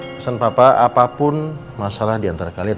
pesan bapak apapun masalah diantara kalian